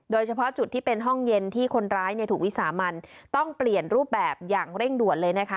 โดยเฉพาะจุดที่เป็นห้องเย็นที่คนร้ายถูกวิสามันต้องเปลี่ยนรูปแบบอย่างเร่งด่วนเลยนะคะ